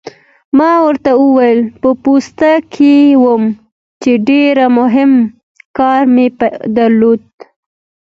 ما ورته وویل: په پوسته کې وم، چې ډېر مهم کار مې درلود.